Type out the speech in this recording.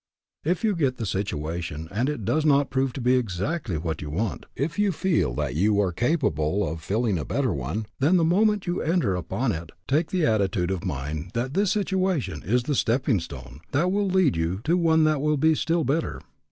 If you get the situation and it does not prove to be exactly what you want, if you feel that you are capable of filling a better one, then the moment you enter upon it take the attitude of mind that this situation is the stepping stone that will lead you to one that will be still better.